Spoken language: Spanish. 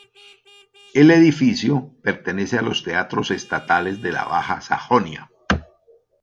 El edificio pertenece a los Teatros Estatales de la Baja Sajonia.